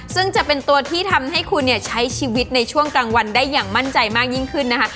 ซึ่งจะเป็นตัวที่ทำให้คุณเนี่ยใช้ชีวิตในช่วงกลางวันได้อย่างมั่นใจมากยิ่งขึ้นนะคะ